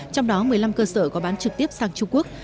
trong đó một mươi năm cơ sở có bán trực tiếp sang trung quốc